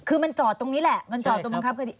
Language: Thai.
คือมันจอดตรงนี้แหละมันจอดตรงบังคับคดี